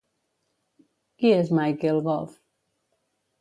Qui és Michael Gove?